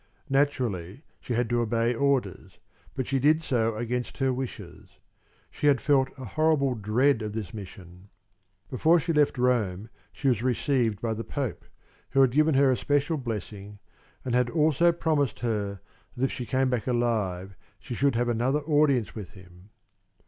Naturally, she had to obey orders; but she did so against her wishes. She had felt a horrible dread of this mission. Before she left Rome, she was received by the Pope, who had given her a special blessing and had also promised her that if she came back alive she should have another audience with him.